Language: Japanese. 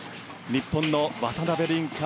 日本の渡辺倫果